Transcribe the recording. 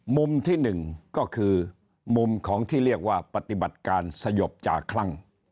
มุมที่หนึ่งก็คือมุมของที่เรียกว่าปฏิบัติการสยบจากคลั่ง